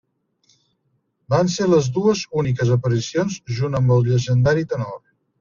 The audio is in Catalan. Van ser les dues úniques aparicions junt amb el llegendari tenor.